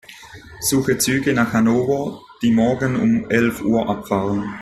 Suche Züge nach Hannover, die morgen um elf Uhr abfahren.